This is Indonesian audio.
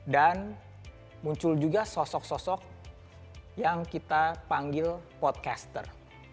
dan muncul juga sosok sosok yang kita panggil podcaster